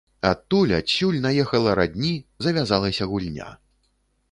Адтуль, адсюль наехала радні, завязалася гульня.